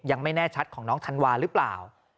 ยังไม่แน่ชัดของน้องธันวาหรือเปล่า